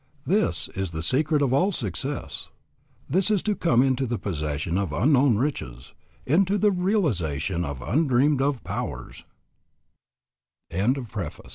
This is the secret of all success. This is to come into the possession of unknown riches, into the realization of undreamed of powers. R.W.T. CONTENTS. I. PRELUDE II.